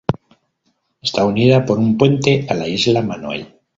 Está unida por un puente a la Isla Manoel.